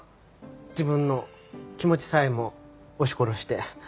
自分の気持ちさえも押し殺して。